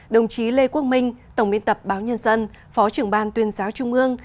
đồng chí lê quốc minh tổng biên tập báo nhân dân phó trưởng ban tuyên giáo trung ương